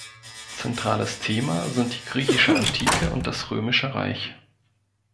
Zentrales Thema sind die griechische Antike und das römische Reich.